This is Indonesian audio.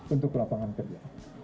untuk lapangan kerja